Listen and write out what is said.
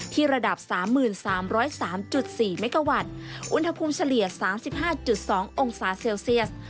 ระดับ๓๓๐๓๔เมกาวัตต์อุณหภูมิเฉลี่ย๓๕๒องศาเซลเซียส